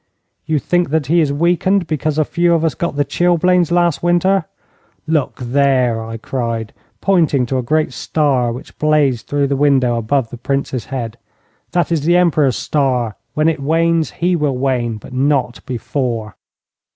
You think that he is weakened because a few of us got the chilblains last winter. Look there!' I cried, pointing to a great star which blazed through the window above the Prince's head. 'That is the Emperor's star. When it wanes, he will wane but not before.'